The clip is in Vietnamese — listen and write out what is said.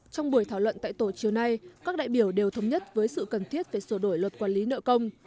trong buổi thảo luận tại tổ chiều nay các đại biểu đều thống nhất với sự cần thiết về sửa đổi luật quản lý nợ công